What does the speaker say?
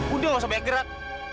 udah gak usah banyak gerak